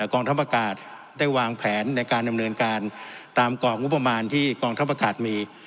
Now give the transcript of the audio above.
กองทัพอากาศได้วางแผนในการดำเนินการตามกรอบงบประมาณที่กองทัพอากาศมี